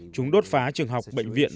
chúng đốt phá trường học bệnh viện